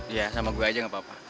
iya sama gue aja gak apa apa